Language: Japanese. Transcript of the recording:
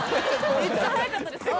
めっちゃ早かったですよ。